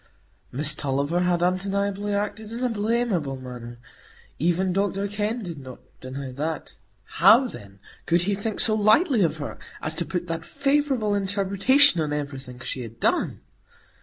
Miss Tulliver had undeniably acted in a blamable manner, even Dr Kenn did not deny that; how, then, could he think so lightly of her as to put that favourable interpretation on everything she had done?